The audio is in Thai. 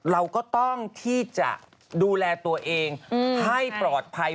เราก็ต้องที่จะดูแลตัวเองให้ปลอดภัย